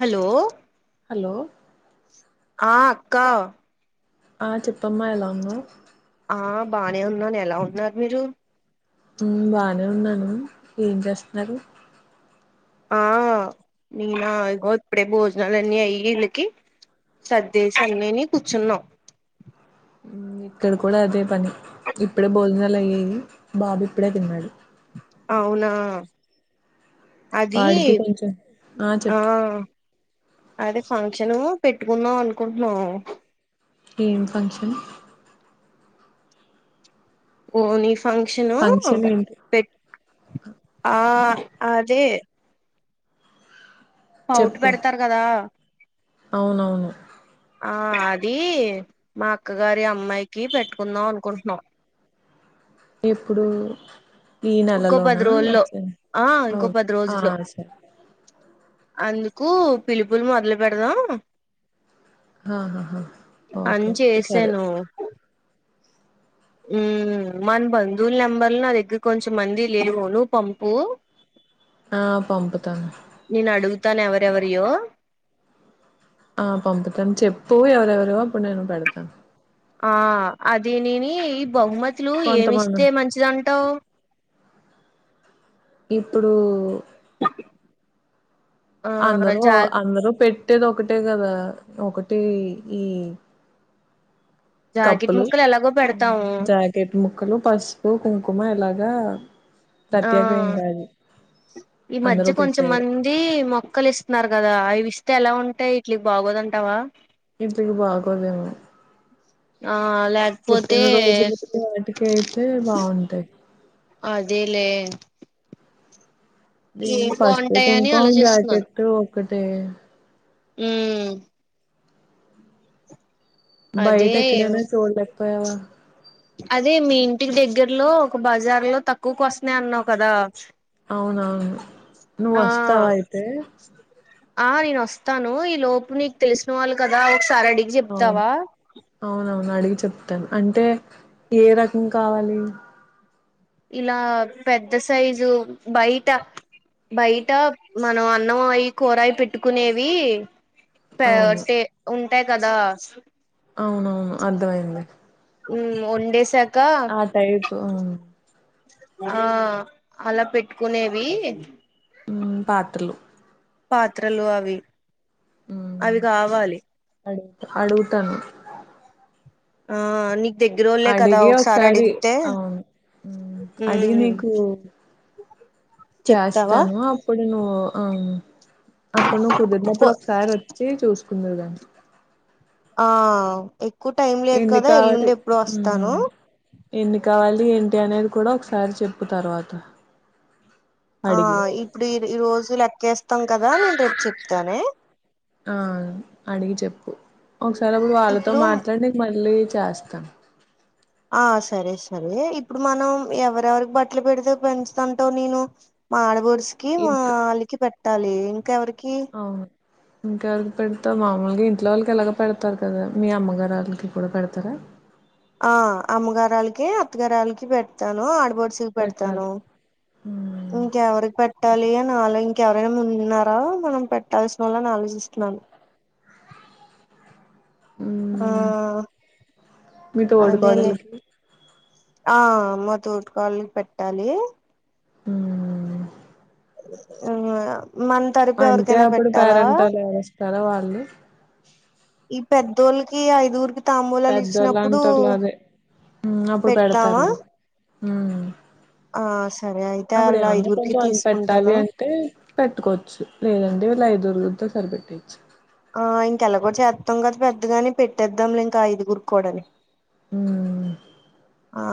Hello hello ఆ అక్క ఆ చెప్పమ్మా ఎలా ఉన్నావ్ ఆ బానే ఉన్నాను ఎలా ఉన్నారు మీరు మ్ బానే ఉన్నాను ఏం చేస్తన్నరు ఆ నీనా ఇగో ఇప్పుడే భోజనాలన్నీ అయి ఈళ్ళకి సర్దేశి అన్నినీ కూర్చున్నాం ఉమ్, ఇక్కడ కూడా అదే పని ఇప్పుడే భోజనాలు అయ్యాయి బాబు ఇప్పుడే తిన్నాడు అవునా అది వాడికి కొంచెం ఆ అదే ఫంక్షను పెట్టుకుందాం అనుకుంటున్నం ఏం ఫంక్షన్ ఓణీ ఫంక్షను ఫంక్షన్ ఏంటి పెట్ ఆ అదే పౌటు చెప్పు పెడతారు కదా అవునవును ఆ అదీ మా అక్కగారి అమ్మాయికి పెట్టుకుందాం అనుకుంటున్నం ఎప్పుడు ఈ ఇంకో పది నెలలోనా రోజుల్లో వచ్చే ఆ ఓ ఇంకో పది ఆ రోజుల్లో సరే అందుకు పిలుపులు మొదలు పెడదం ఆహాహా అని ఓకే సరే చేసాను మ్ మన బంధువుల నెంబర్లు నా దగ్గర కొంచెంమంది లేవు నువ్ పంపు ఆ పంపుతాను తను ఎవరెవరియో ఆ పంపుతాను చెప్పు ఎవరెవరు అప్పుడు నేను పెడతాను ఆ అదీ నీని ఈ బహుమతులు ఏమిస్తే కొంతమంది మంచిదంటావ్ ఇప్పుడు ఆ అందరు జా అందరు పెట్టేది ఒకటే కదా ఒకటి ఈ జాకెట్ కప్పులు ముక్కలు ఎలాగో పెడతాము జాకెట్ ముక్కలు పసుపు కుంకుమ ఇలాగ దా ఆ ఈ మధ్య అందరూ పెట్టేవే కొంచెమంది మొక్కలు ఇస్తున్నారు గదా అవి ఇస్తే ఎలా ఉంటాయి ఈట్లికి బాగోదంటావా ఈట్లికి బాగోదేమో ఆ లేకపోతే పుట్టిన రోజులకి వాటికి అయితే బాగుంటాయి అదేలే దీని ఏం పసుపు బాగుంటాయని కుంకుమ జాకెట్ ఒకటె మ్ అదే బయటెక్కడైనా చూడలేకపోయావా అదే మీ ఇంటికి దగ్గరలో ఒక బజార్ లో తక్కువకోస్తన్నాయి అన్నావు కదా అవునవును నువ్ ఆ వస్తావా అయితే ఆ నేనోస్తాను ఈ లోపు నీకు తెలిసిన వాళ్ళు కదా ఒకసారి అడిగి అవును చెప్తావా అవునవును అడిగి చెప్తాను అంటే ఏ రకం కావాలి ఇలా పెద్ద సైజు బయట బయట మనం అన్నం అయి కూరయి పెట్టుకునేవి ట అవును టే ఉంటాయి కదా అవునవును అర్థమయింది మ్ వొండేసాక్ ఆ టైపు ఆ అలా పెట్టుకునేవి మ్ పాత్రులు పాత్రలు అవి హ్మ్ అవి కావాలి అడుగుతా అడుగుతాను ఆ ఆని దగ్గర వాళ్ళే కదా అడిగి ఒకసారి అడిగితే అవును హ్మ్ అడిగి మ్ నీకు చేస్తాను అప్పుడు నువ్వు ఆ అప్పుడు నువ్వు కొ కుదిరినప్పుడు ఒకసారి వచ్చి చూసుకుందువు గాని ఆ ఎక్కువ టైం లేదు ఎన్ని కదా కావాలి ఎల్లుండి ఎప్పుడో వస్తాను హ్మ్ ఎన్ని కావాలి ఏంటి అనేది కూడా ఒకసారి చెప్పు తర్వాత ఆ అడిగి ఇప్పుడు ఈ రోజు లెక్కేస్తాం కదా నేను రేపు చెప్తానే ఆ అడిగి చెప్పు ఒకసారి అప్పుడు వాళ్ళతో ఇప్పుడు మాట్లాడి నికు మళ్ళీ చేస్తా ఆ సరే సరే ఇప్పుడు మనం ఎవరెవరికి బట్టలు పెడితే పెంచుదంటవ్ నేను మా ఆడపడుచుకి మా ఇంట్లో ఆళ్ళకి పెట్టాలి ఇంకా ఎవరి అవును ఇంకెవరికి పెడతారు మామూలుగా ఇంట్లో వాళ్ళకి ఎలాగో పెడుతారు కదా మీ అమ్మగారు వాళ్ళకి కూడా పెడుతారా ఆ అమ్మగారాళ్ళకి అత్తగారళ్ళకి పెడతాను ఆడ్ పడుచుకు పెడతాను పెట్టాలి మ్మ్ ఇంకెవరికి పెట్టాలి అన్ నాలో ఇంకెవరైనా ఉన్నారా మనం పెట్టాల్సిన వాళ్ళ నే ఆలోచిస్తున్నాను ఆ మ్మ్ మీ అదేలే తోడికోడలికి ఆ అమ్మో తోటకాళ్ క్ పెట్టాలి మ్ ఆ మన తరుపు ఎవరికైనా పెట్టాలా తార వాళ్ళు ఈ పెద్దోళ్ళకి ఐదు గురికి పెద్దోలంటారు లే ఆదే ఉన్నప్పుడు పెడదామా పెడుతారు మ్ ఆ సరే అయితే అప్పుడు అలా ఏమన్నా ఐదుగురికి కొంచెం అని పెట్టాలి తీసుకుంటాను అంటే పెట్టుకోవచ్చు లేదండి ఐదు గురితో సరి పెట్టేయ్యొచ్చు ఆ ఇంకెలాగో చేస్తాం కదా పెద్దగాని పెట్టేద్దాంలే ఇంకా ఐదుగురికికుడని మ్ ఆ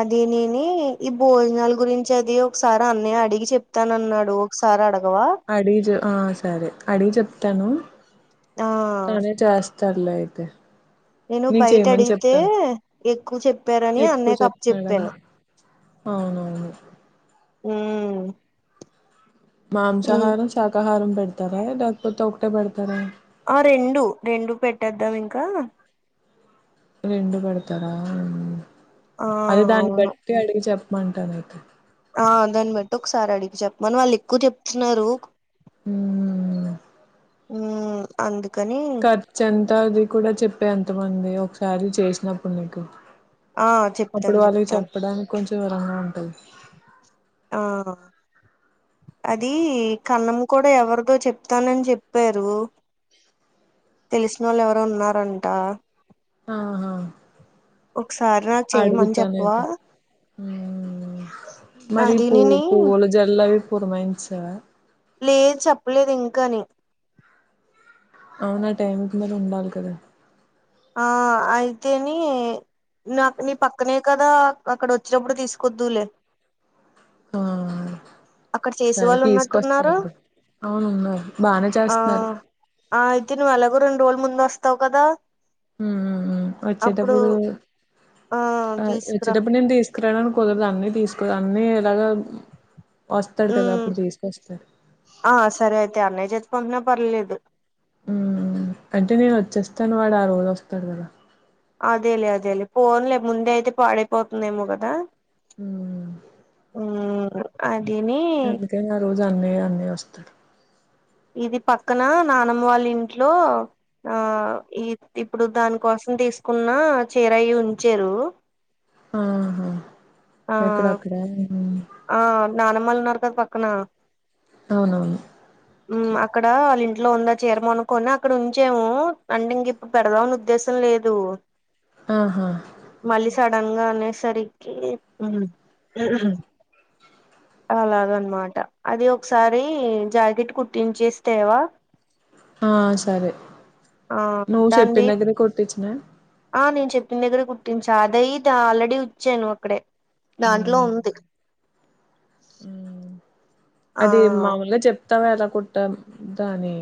అదే నిని ఈ భోజనాల గురించి అది ఒకసారి అన్నయ్య అడిగి చెప్తానన్నాడు ఒకసారి అడ అడిగి జ ఆ సరే అడిగి చెప్తాను ఆ తనే చేస్తాడులే అయితే నేను నీకు బయట చేయమని అడిగితే చెప్తాను ఎక్కువ చెప్పారని ఎక్కువ అన్నయ్య కప్ప చెప్తున్నాడా చెప్పాను అవునవును మ్ మాంసాహారం శాకాహారం పెడుతారా లేకపోతే ఒకటే పెడుతారా ఆ రెండు రెండు పెట్టేద్దాం ఇంకా రెండు పెడుతారా ఆ అది దాన్ని అవును బట్టి అడిగి చెప్ మంటానైతే ఆ దాన్ని బట్టి ఒకసారి అడిగి చెప్పమని వాళ్ళు ఎక్కువ చెప్తున్నారు మ్ హామ్ అందుకు ఖర్చు ఎంత అది కూడా చెప్పే ఎంతమంది ఒకసారి చేసినప్పుడు నీకు ఆ అప్పుడు చెప్తాను వాళ్ళకి చెప్తాను చెప్పడానికి కొంచెం విరంగా ఉంటది ఆ అది కన్నం కూడా ఎవరిదో చెప్తానని చెప్పారు తెలిసిన వాళ్ళు ఎవరో ఉన్నారంట ఆహా ఒకసారి నాకు చేయమని చెప్పవా అడుగుతానైతే మరి పువ అదినిని పువ్వుల జల్లు అవి పురమయించావా ఏది చెప్పలేదు ఇంకాని అవునా ఆ టైంకి మరి ఉండాలి కదా ఆ అయితేని నాకు నీ పక్కనే కదా అక్కడ వచ్చినప్పుడు తీసుకొద్దులే ఆ అక్కడ చేసే సరే వాళ్ళు తీసుకొస్త ఉన్నట్టున్నారు అవునున్నారు బానే ఆ చేస్తున్నారు ఆ అయితే నువ్వు ఎలాగో రెండు రోజుల ముందు వస్తావు కదా అప్పుడు వచ్చేటప్పుడు ఆ తీసుకురా వచ్చేటప్పుడు నేను తీసుకురానును కుదరదు అన్ని తీసుకో అన్ని ఎలాగ వస్తాడు కదా ఉమ్ అప్పుడు తీసుకొస్తాడు కొన్న పర్లేదు అంటే నేను వచ్చేస్తాను వాడు ఆ రోజు వస్తాడు కదా అదేలే అదేలే పోన్లే ముందే అయితే పాడైపోతుందేమో కదా ఆ ఉమ్ అదిని అండి అన్ని వస్తారు ఇది పక్కన నానమ్మ వాళ్ళ ఇంట్లో ఆ ఈ ఇప్పుడు దాని కోసం తీసుకున్న చీర ఉంచారు ఆహా ఆ ఎక్కడాక్కడ ఆ నానమ్మలు ఉన్నారు కద పక్కన అవునవును అక్కడ వాళ్ళ ఇంట్లో ఉందా చీరమ అనుకొని అక్కడ ఉంచేము అంటే ఇంక ఇప్పుడు పెడదామని ఉద్దేశం లేదు లేదు ఆహా మళ్ళీ సడన్ గా అనేసరికి [inaudible] [inaudible] అలాగన్నమాట అది ఒకసారి జాకెట్ కుట్ంచేస్తే తేవా ఆ సరే ఆ నువ్వు దాడి చెప్పిన దగ్గరే కొట్టించిన ఆ నేను చెప్పిన దగ్గర గుర్తించ నాదైతే అయి ఆల్రెడీ వచ్చాను్ అక్కడే దాంట్లో ఉంది ఆ అది మామల్గా చెప్తావు కదాఎలా కుట్టా దాని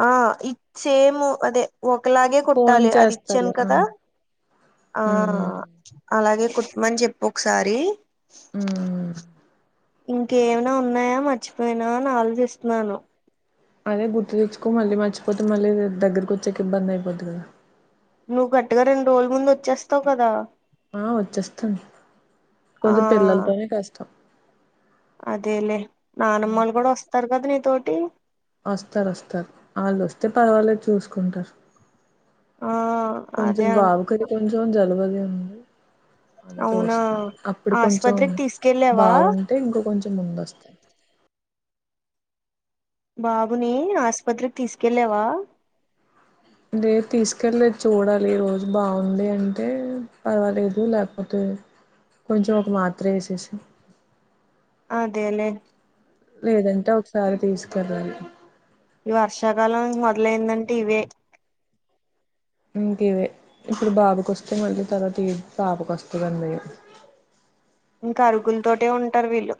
హాయ్ ఇచ్చేము అదే ఒకలాగే ఫోన్ కుట్టాలి అది ఇచ్చాను చేస్తాలే ఆ కదా ఆ హ్మ్ హ్మ్ అలాగే కుట్మని చెప్పుి ఒకసారి హ్మ్. ఇంకేమనా ఉన్నాయా మర్చిపోయినా అని ఆలోచిస్తున్నాను అదే గుర్తు తెచ్చుకో మళ్ళీ మర్చిపోతే మళ్ళీ దగ్గరకు వచ్చాక ఇబ్బంది అయిపోద్ది కదా నువ్వు కరెక్ట్ గా రెండు రోజుల ముందు వచ్చేస్తావు కదా ఆ వచ్చేస్తంది కొంచెం ఆ పిల్లలతోనే కష్టం అదేలే నానమ్మలు కూడా వస్తారు కదా నీతోటి వస్తారు వస్తారు వాళ్ళు వస్తే పర్వాలేదు చూసుకుంటారు ఆ కొంచెం అదే అంటున్నా బాబుకి కొంచెం జలుబు ఉంది అదే అవునా చూస్తాం అప్పుడు కొంచెం ఆస్పత్రికి తీసుకెళ్ళావా బాగుంటే ఇంక కొంచెం ముందొస్తాం బాబుని ఆస్పత్రికి తీసుకెళ్ళావా లేదు తీసుకెళ్లేదు చూడాలి ఈ రోజు బాగుంది అంటే పర్వాలేదు లేకపోతే కొంచెం ఒక మాత్ర వసేసి అదేలేే లేదంటే ఒకసారి తీసుకెళ్ళాలి ఈ వర్షాకాలం మొదలైందంటే ఇవే ఇంకవే ఇప్పుడు బాబుకొస్తే మళ్ళీ తర్వాత పాపకు వస్తుంది అన్ని భయం ఇంకా ఆరుకులు తోటే ఉంటారు వీళ్ళు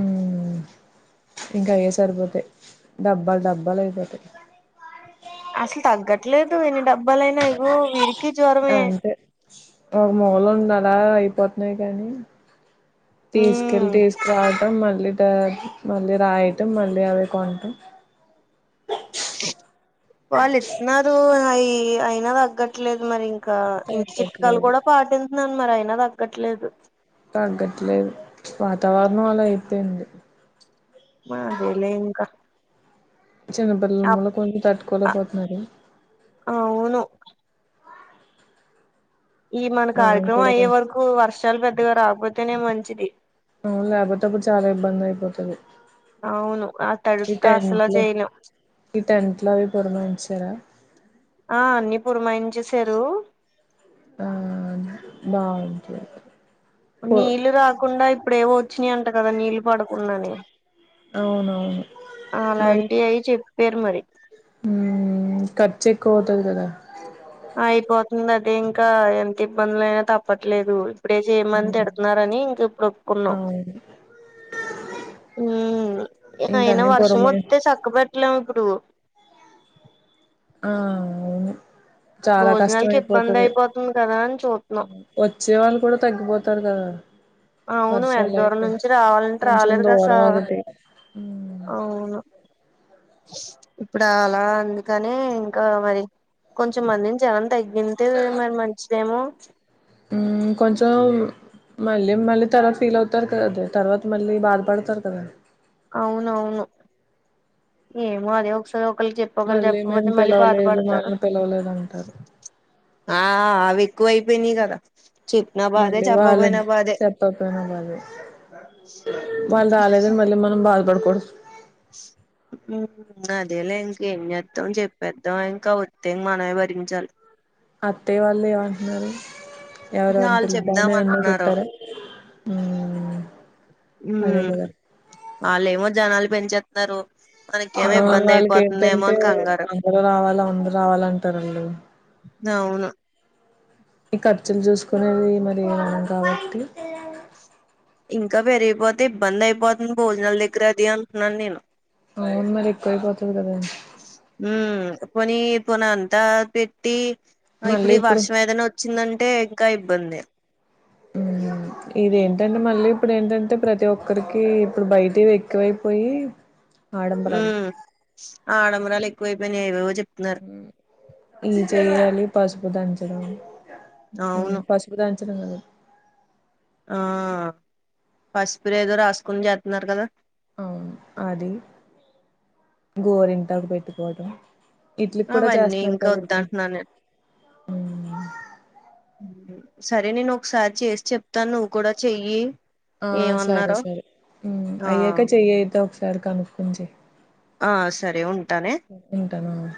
ఉ ఇంకా అవే సరిపోతాయి డబ్బాలు డబ్బాలు అయిపోతాయి అసలు తగ్గట్లేదు ఎన్ని డబ్బాలయినా ఎగో వీడికి జ్వరమే అంతే ఒక మూలం ఉంది అలా అయిపోతున్నాయి కానీ తీసుకెళ్లి ఉమ్ తీసుకురావడం మళ్ళీ మళ్ళీ రాయటం మళ్ళీ అవి కొనం వాళ్ళు ఇతన్నారు అవి అయినా తగ్గట్లేదు మరి ఇంకా ఇంకా ఇంటి చిట్కాలు తగ్గట్లేదు కూడా పాటింతను మరి అయినా తగ్గట్లేదు తగ్గట్లేదు వాతావరణం అలా అయ్యిపోది మా అదేలే ఇంకా చిన్నపిల్లల అప్- మూల కొంచెం తట్టుకోలే పోతున్నారు అవును ఈ మన మనం కార్యక్రమం కూడా అయ్యే కొంచెం వరకు వర్షాలు పెద్దగా రాకపోతేనే మంచిది అవును లేపోతేప్పుడు చాలా ఇబ్బంది అయిపోతది అవును ఆ ఈ తడుపుత అసలా టెంట్ లో చేయలేం ఈ టెంట్ లు అవి పురమాయించి చార ఆ అన్ని పురమాయి చేసారు ఆ బాగు నీళ్ళలు రాకుండా ఇప్పుడేవో వచ్చినాయియంట కదా నీళ్ళు పడకుండానే అవునవును అలాంటి అయి చెప్పారు మరి ఉ ఖర్చు ఎక్కువ అవుతాది కదా అయిపోతుంది అదే ఇంకా ఎంత ఇబ్బందుల అయినా తప్పట్లేదు ఇప్పుడే చేయమని ఉమ్, తిడతారని ఇంకిప్పుడు ఒప్పుకున్నాం అవును హ ఇంక అయినా అన్ని వర్షం పురమాయి వస్తే చక్క పెట్టలేము ఇప్పుడు ఆ అవును చాలా కష్టం భోజనాలకి ఇబ్బంది అయిపోతుది అయిపోతుంది కదా అని చూతున్నాం వచ్చే వాళ్ళ కూడా తగ్గిపోతారు కదా అవును వర్షాలు ఎద్దదూరం అయితే నుంచి రావాలంటే కొంచెం రాలేదు కసా దూరం ఒకటి అవును ఇప్పుడు అలా అందుకనే ఇంకా మరి కొంచెం మంది జనం తగ్గి ఇంతే మరి మంచిదేమో ఉ కొంచెం మళ్ళీ మళ్ళీ తర్వాత ఫీల్ అవుతారు కద తర్వాత మళ్ళీ బాధపడతారు కద అవునవును ఏమో అది ఒకస ఒకళకి చెప్పి ఒగలికి మళ్ళీ మేము చెప్పపోతే మళ్ళీ పిలవలేదు బాధపడతారు మనల్ని పిలవలేదు అంటారు ఆ అవి ఎకువయిపోయిని గదా మళ్ళీ వాళ్ళన్ చెప్పకపోయినా బాధే వాళ్ళు రాలేదని మళ్ళీ మనం బాధపడకూడదు అదేలే ఇంకేంచేద్దాం చెప్పేద్దాం ఇంకా వత్తే మనమే భరించాలి అత్తయ్య వాళ్ళు ఏమంటున్నారు ఎవరెవరిని వాళ్ళు చెప్దాం పిలుద్దామని ఏమన్నా అంటున్నారు చెప్పారా హు ఉమ్ వాళ్ళుమో జనాలు పెంచేస్తున్నారు మనకేమో అ ఇబ్బంది అయిపోతుందేమో వాళ్ళకెంటంటే అని కంగారు అందరు రావాల అందరు రావాలంటారండి అవును ఈ ఖర్చులు చూసుకునేది మరి మనం కాబట్టి ఇంకా పెరిగిపోతే ఇబ్బంది అయిపోతుంది భోజనాల దగ్గర అది అంటున్నాను నేను అవున్ మరి ఎక్కువైపోతది కదాండి పొని పొన అంతా పెట్టి ఇప్పుడు ఈ వర్షం ఏదైనా వచ్చిందంటే ఇంక ఇబ్బందే హ్మ్ ఇదేంటంటే మళ్ళీ ఇప్పుడు ఏంటంటే ప్రతి ఒక్కరికి ఇప్పుడు బయటివి ఎక్కువైపోయి ఆడంబరాలు ఉమ్ ఆడంబరాలు ఎక్కువైపోయినై ఇ చెయ్యాలి పసుపు దంచడం అవును చికన్ [unintelligible] ఆ పసుపు రెదో రాసుకుని చేత్తున్నారు కదా అవును అది గోరింటాకు పెట్టుకోవడం ఇడ్లీ కూడా అవన్నీ చేస్తున్నారు ఇంకా కదా ఇప్పుడు వద్దంటున్నాను నేను ఉమ్, సరే నేను ఒకసారి చేసి చెప్తాను నువ్వు కూడా చెయ్యి ఆ సరే ఏమన్నారో సరే ఆ అయ్యాక చెయతే ఒకసారి కనుకోని చెయ్ ఆ సరే ఉంటానే ఉంటాను